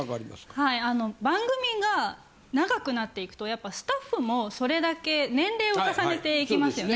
はいあの番組が長くなっていくとやっぱスタッフもそれだけ年齢を重ねていきますよね。